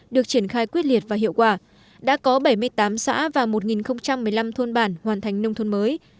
được triển khai quyết liệt và hiệu quả đã có bảy mươi tám xã và một một mươi năm thôn bản hoàn thành nông thôn mới